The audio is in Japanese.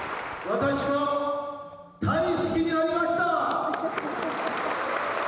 私は、大好きになりました。